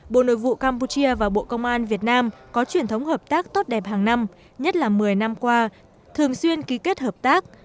bộ nội vụ campuchia và bộ công an việt nam có truyền thống hợp tác tốt đẹp hàng năm nhất là một mươi năm qua thường xuyên ký kết hợp tác